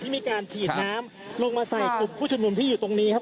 มีการฉีดน้ำลงมาใส่กลุ่มผู้ชุมนุมที่อยู่ตรงนี้ครับ